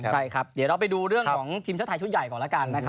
เดี๋ยวเราไปดูเรื่องของทีมเช้าไทยชุดใหญ่ก่อนละกัน